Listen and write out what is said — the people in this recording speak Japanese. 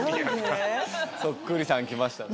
そっくりさん来ましたね